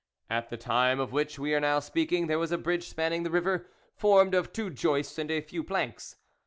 At the time of which we are now speaking there was a bridge spanning the river, formed of two joists and a few planks.